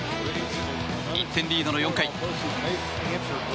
１点リードの４回。